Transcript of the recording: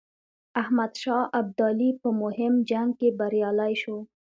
احمدشاه ابدالي په مهم جنګ کې بریالی شو.